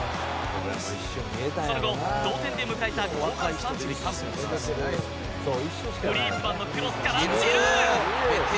その後、同点で迎えた後半３３分グリーズマンのクロスからジルー！